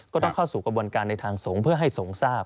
ก็ต้องเข้าสู่กระบวนการในทางสงฆ์เพื่อให้สงฆ์ทราบ